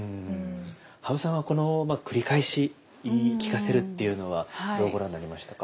羽生さんはこの繰り返し言い聞かせるっていうのはどうご覧になりましたか？